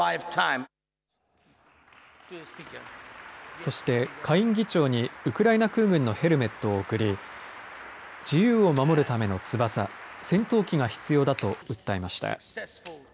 そして下院議長にウクライナ空軍のヘルメットを贈り自由を守るための翼戦闘機が必要だと訴えました。